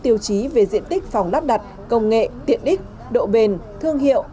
tiêu chí về diện tích phòng lắp đặt công nghệ tiện ích độ bền thương hiệu